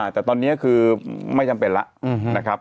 แต่ตอนนี้คือไม่จำเป็นแล้วนะครับ